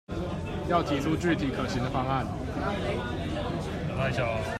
要提出具體可行的方案